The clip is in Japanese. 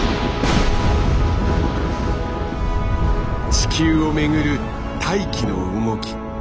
地球を巡る大気の動き。